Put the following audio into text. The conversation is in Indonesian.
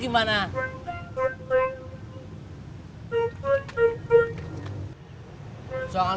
nah sekarang kan udah lengkap